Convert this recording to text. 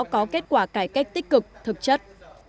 có kết quả cải cách tích cực thực chất